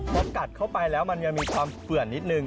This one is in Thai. พอกัดเข้าไปแล้วมันยังมีความเผื่อนนิดนึง